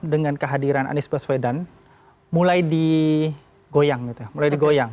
dengan kehadiran anies baswedan mulai digoyang gitu ya